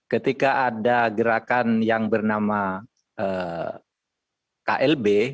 ketika ada gerakan yang bernama klb